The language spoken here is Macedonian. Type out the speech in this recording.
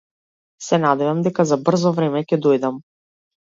Се надевам дека за брзо време ќе дојдам.